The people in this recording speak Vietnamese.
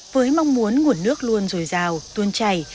với mong muốn nguồn nước luôn rồi rào tuôn chảy